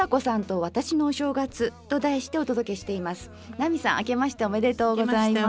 奈美さんあけましておめでとうございます。